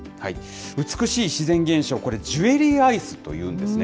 美しい自然現象、これジュエリーアイスというんですね。